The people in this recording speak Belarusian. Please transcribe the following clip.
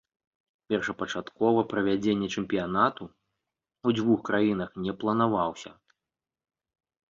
Першапачаткова правядзенне чэмпіянату ў дзвюх краінах не планаваўся.